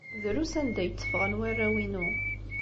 Drus anda ay tteffɣen warraw-inu.